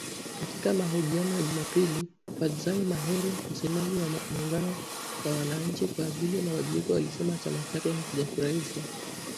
Katika mahojiano ya Jumapili, Fadzayi Mahere, msemaji wa muungano wa wananchi kwa ajili ya mabadiliko, alisema chama chake hakijafurahishwa.